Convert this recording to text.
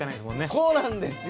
そうなんですよ。